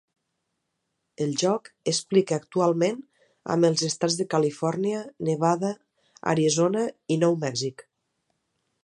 El joc explica actualment amb els Estats de Califòrnia, Nevada, Arizona i Nou Mèxic.